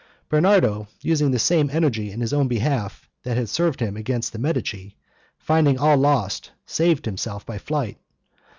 Bernardo, using the same energy in his own behalf that had served him against the Medici, finding all lost, saved himself by flight.